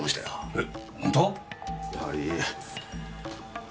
えっ？